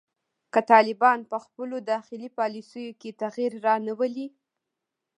که طالبان په خپلو داخلي پالیسیو کې تغیر رانه ولي